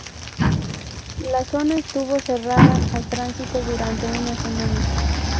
La zona estuvo cerrada al tránsito durante una semana.